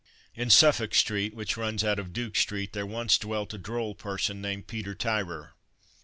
In Suffolk street, which runs out of Duke street, there once dwelt a droll person named Peter Tyrer.